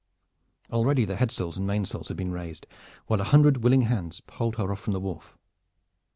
Already the head sails and the main sail had been raised, while a hundred willing hands poled her off from the wharf.